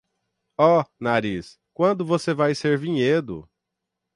Oh, nariz, quando você vai ser vinhedo!